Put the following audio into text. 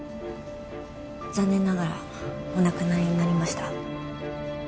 残念ながらお亡くなりになりました。